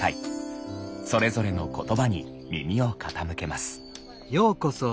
それぞれの言葉に耳を傾けます。